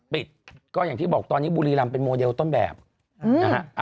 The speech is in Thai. ปิดก็อย่างที่บอกตอนนี้บุรีรำเป็นโมเดลต้นแบบนะฮะ